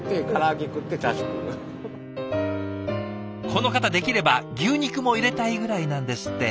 この方できれば牛肉も入れたいぐらいなんですって。